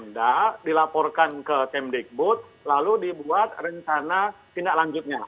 tidak dilaporkan ke temdikbud lalu dibuat rencana tindak lanjutnya